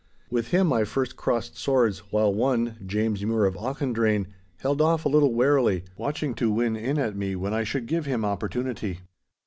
With him I first crossed swords, while one, James Mure of Auchendrayne, held off a little warily, watching to win in at me when I should give him opportunity.